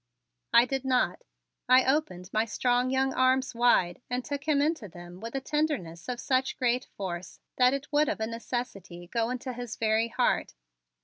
I did not. I opened my strong young arms wide and took him into them with a tenderness of such great force that it would of a necessity go into his very heart.